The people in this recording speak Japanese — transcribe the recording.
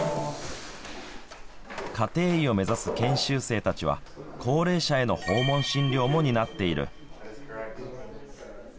家庭医を目指す研修生たちは高齢者への訪問診療も担っている。